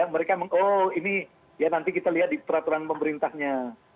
mereka oh ini ya nanti kita lihat di peraturan pemerintahnya